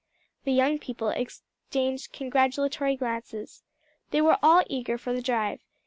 The young people exchanged congratulatory glances. They were all eager for the drive.